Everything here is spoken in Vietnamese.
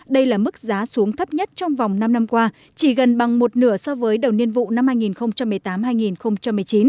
đây là mức giá xuống thấp nhất trong vòng năm năm qua chỉ gần bằng một nửa so với đầu niên vụ năm hai nghìn một mươi tám hai nghìn một mươi chín